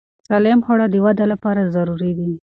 سالم خواړه د وده لپاره ضروري دي.